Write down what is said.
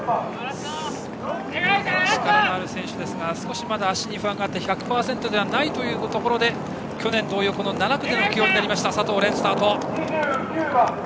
力のある選手ですが少しまだ足に不安があって１００％ではないというところで去年同様、７区での起用となった佐藤蓮、スタート。